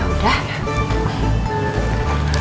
aku udah datang